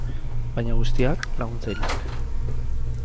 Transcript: Baina guztiak, laguntzaileak.